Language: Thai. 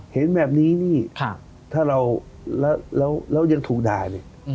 เห็นแบบนี้นี่ถ้าเรายังถูกด่าเนี่ย